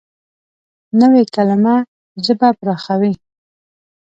نوې کلیمه ژبه پراخوي